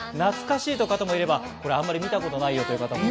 懐かしいっていう方もいれば、あまり見たことないという方もね。